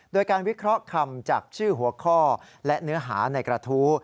โดยการวิเคราะห์คำจากชื่อหัวข้อและเนื้อหาในกระทู้